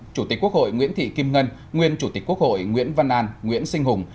chủ tịch quốc hội nguyễn thị kim ngân nguyên chủ tịch quốc hội nguyễn văn an nguyễn sinh hùng